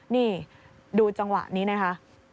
นี่ดูจังหวะนี้นะคะ